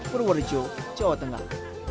purworejo jawa tengah